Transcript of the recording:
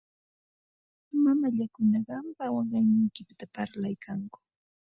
Mamallakuna qampa kawayniykipita parlaykanku.